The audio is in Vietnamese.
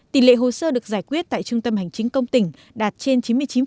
tỷ lệ hồ sơ được giải quyết tại trung tâm hành chính công tỉnh đạt trên chín mươi chín